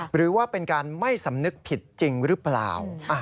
หรือว่าเป็นการไม่สำนึกผิดจริงหรือเปล่า